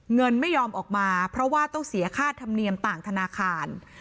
เงินไม่ยอมออกมาเพราะว่าต้องเสียค่าธรรมเนียมต่างธนาคาร